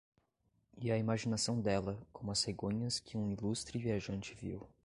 E a imaginação dela, como as cegonhas que um ilustre viajante viu